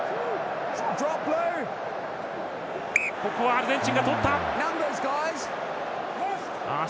アルゼンチンがとったが。